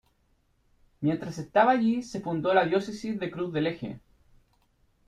Mientras estaba allí se fundó la diócesis de Cruz del Eje.